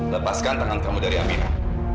lepaskan tangan kamu dari ambinan